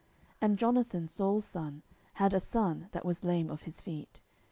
10:004:004 And Jonathan, Saul's son, had a son that was lame of his feet.